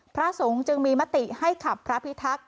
พระสงฆ์จึงมีมติให้ขับพระพิทักษ์